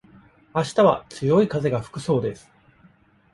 あしたは強い風が吹くそうです。